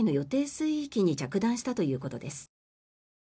水域に着弾したということです。